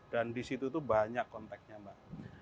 dan di situ banyak kontaknya mbak